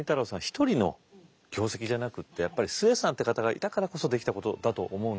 一人の業績じゃなくってやっぱり壽衛さんって方がいたからこそできたことだと思うんですよ。